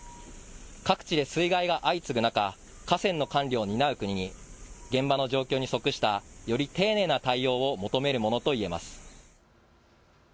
各地で水害が相次ぐ中、河川の管理を担う国に現場の状況に即したより丁寧な対応を求めるものといえます。